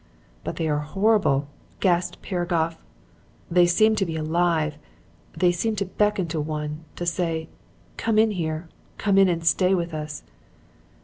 "'But they are horrible!' gasped Piragoff. 'They seem to be alive. They seem to beckon to one to say, "Come in here: come in and stay with us."